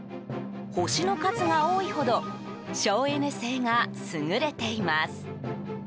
星の数が多いほど省エネ性が優れています。